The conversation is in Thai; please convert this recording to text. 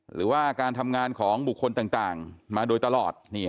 หรือว่าการทำงานของบุคคลต่างมาโดยตลอด